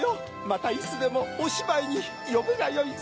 またいつでもおしばいによぶがよいぞ。